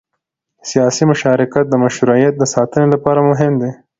سیاسي مشارکت د مشروعیت د ساتنې لپاره مهم دی